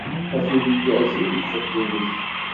Afud igerrzen deg uxeddim-ik!